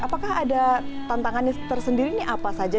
apakah ada tantangannya tersendiri ini apa saja